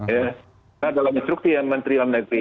ya dalam instruksi yang menteri dan negeri